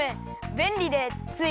べんりでつい。